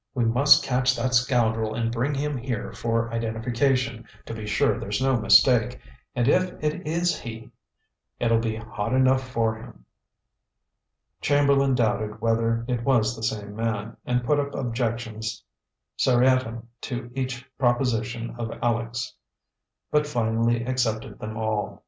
We must catch that scoundrel and bring him here for identification to be sure there's no mistake. And if it is he, it'll be hot enough for him." Chamberlain doubted whether it was the same man, and put up objections seriatim to each proposition of Aleck's, but finally accepted them all.